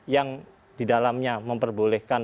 yang di dalamnya memperbolehkan